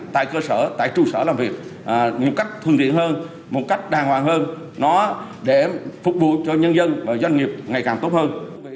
tại cơ sở tại trụ sở làm việc một cách thuận tiện hơn một cách đàng hoàng hơn nó để phục vụ cho nhân dân và doanh nghiệp ngày càng tốt hơn